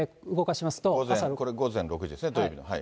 これ、午前６時ですね、土曜日の。